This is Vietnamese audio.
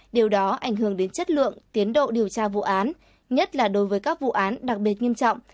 điều đó ảnh hưởng đến chất lượng tiến độ điều tra vụ án nhất là đối với các vụ án đặc biệt nghiêm trọng